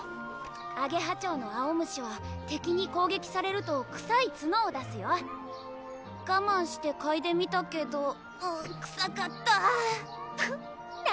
アゲハチョウの青虫は敵に攻撃されるとくさい角を出すよ我慢してかいでみたけどうっくさかったプッ何？